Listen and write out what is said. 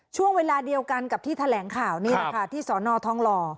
ช่วงเวลาเดียวกันกับที่แถลงข่าวนี่แหละค่ะที่สอนอทองหล่อ